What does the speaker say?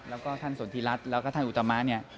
แล้วก็ท่านสนทิรัฐแล้วก็ท่านอุตมะเนี่ย